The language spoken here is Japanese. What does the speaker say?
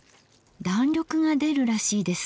弾力が出るらしいです。